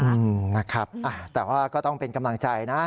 อืมนะครับอ่าแต่ว่าก็ต้องเป็นกำลังใจนะ